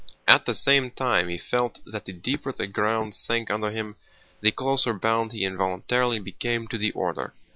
At the same time he felt that the deeper the ground sank under him the closer bound he involuntarily became to the order.